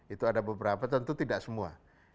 itu ada beberapa tentu tidak semua